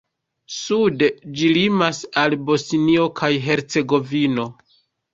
Sude ĝi limas al Bosnio kaj Hercegovino.